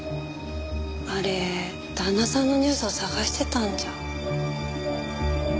あれ旦那さんのニュースを探してたんじゃ。